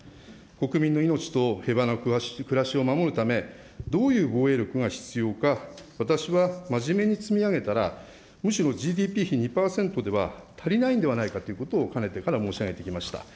国民の命と平和な暮らしを守るため、どういう防衛力が必要か、私は真面目に積み上げたら、むしろＧＤＰ費２％では足りないんではないかということをかねてから申し上げてきました。